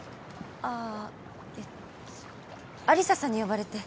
あえっと有沙さんに呼ばれて。